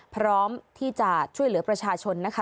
พร้อมที่จะช่วยเหลือประชาชนนะคะ